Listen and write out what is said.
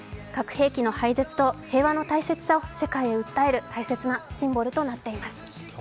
核兵器の廃絶と平和の大切さを世界へ訴える大切なシンボルとなっています。